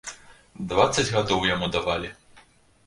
Дваццаць гадоў яму давалі!